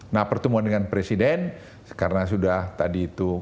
nah pertemuan dengan presiden karena sudah tadi itu